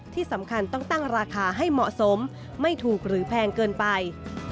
ที่สำคัญต้องตั้งราคาให้เหมาะสมไม่ถูกหรือแพงเกินไป